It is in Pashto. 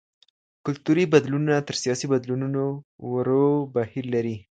کلتوري بدلونونه تر سياسي بدلونونو ورو بهير لري.